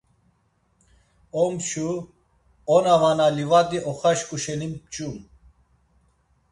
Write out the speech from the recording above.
Omçu; ona vana livadi oxaşǩu şeni mç̌um.